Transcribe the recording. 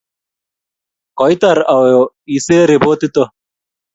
Koitar auyo isiri repotit oo?